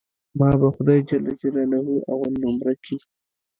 ما به خداى جل جلاله اول نؤمره کي.